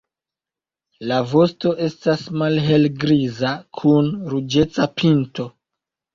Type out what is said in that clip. La vosto estas malhelgriza kun ruĝeca pinto.